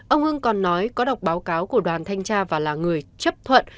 ông hưng còn nói có đọc báo cáo của đoàn thanh tra và là người chấp thuận